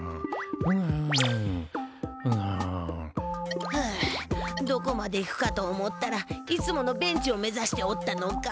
ふうどこまで行くかと思ったらいつものベンチを目ざしておったのか。